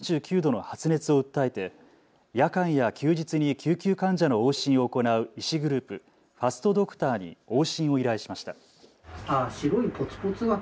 今月下旬、都内の２０代男性がのどの痛みと３９度の発熱を訴えて夜間や休日に救急患者の往診を行う医師グループ、ファストドクターに往診を依頼しました。